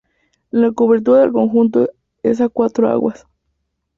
La cobertura del conjunto es a cuatro aguas.